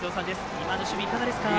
今の守備、いかがですか？